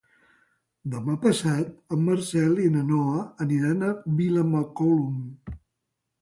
Demà passat en Marcel i na Noa aniran a Vilamacolum.